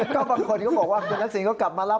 ก็บางคนก็บอกว่าคุณทักษิณก็กลับมาแล้ว